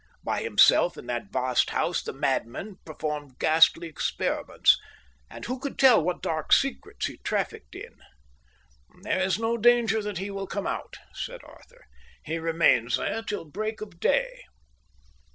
By himself in that vast house the madman performed ghastly experiments; and who could tell what dark secrets he trafficked in? "There is no danger that he will come out," said Arthur. "He remains there till the break of day."